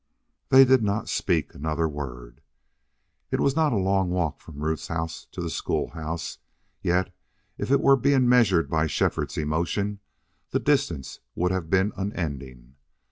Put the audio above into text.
They did not speak another word. It was not a long walk from Ruth's home to the school house, yet if it were to be measured by Shefford's emotion the distance would have been unending.